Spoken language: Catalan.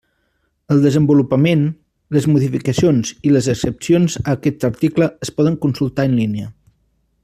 El desenvolupament, les modificacions i les excepcions a aquest article es poden consultar en línia.